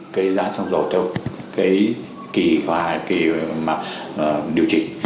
cái giá xăng dầu theo cái kỳ hòa điều trị